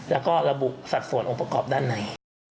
แล้วก็ระบุสัดส่วนองค์ประกอบด้านใน